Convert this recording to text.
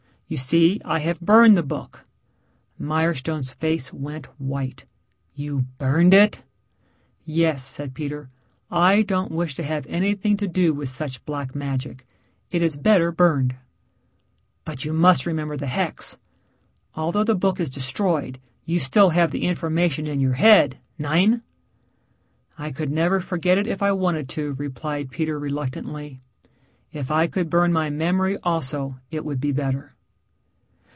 You see, I have burned the book." Mirestone's face went white. "You burned it?" "Yes," said Peter. "I don't wish to have anything to do with such black magic. It is better burned." "But you must remember the hex. Although the book is destroyed you still have the information in your head, nein?" "I could never forget it if I wanted to," replied Peter reluctantly. "If I could burn my memory also it would be better."